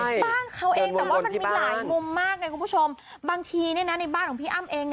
บ้านเค้าเองแต่ว่ามันมีหลายมุมมากน่ะบางทีในบ้านของพี่อ้ำเอง